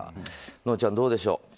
のんちゃん、どうでしょう。